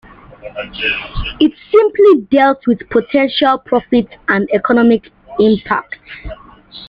It simply dealt with potential profits and economic impact.